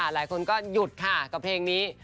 หลายคนก็หยุดค่ะกับเพลงนี้